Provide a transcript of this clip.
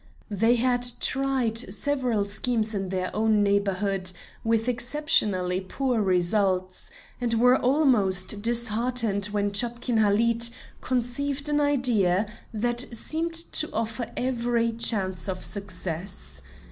They had tried several schemes in their own neighborhood, with exceptionally poor results, and were almost disheartened when Chapkin Halid conceived an idea that seemed to offer every chance of success.